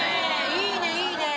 いいねいいね。